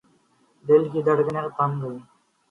دل کی دھڑکنیں تھم گئیں۔